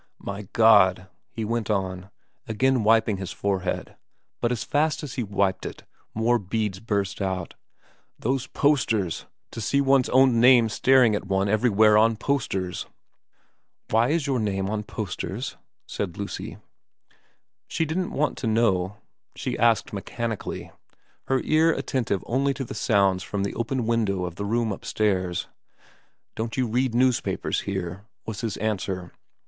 ' My God,' he went on, again wiping his forehead, but as fast as he wiped it more beads burst out, ' those posters to see one's own name staring at one every where on posters !'' Why was your name on posters ?' said Lucy. She didn't want to know ; she asked mechanically, her ear attentive only to the sounds from the open windows of the room upstairs. ' Don't you read newspapers here ?' was his answer.